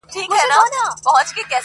ته نو اوس راسه، له دوو زړونو تار باسه.